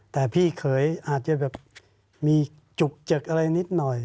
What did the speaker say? แต่พี่เขยอาจจะแบบมีจุกเจิกอะไรนิดหน่อย